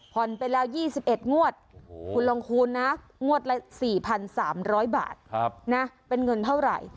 ไปแล้ว๒๑งวดคุณลองคูณนะงวดละ๔๓๐๐บาทนะเป็นเงินเท่าไหร่